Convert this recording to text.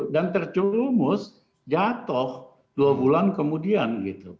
dan tercumus jatuh dua bulan kemudian